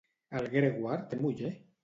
El Grégoire té muller?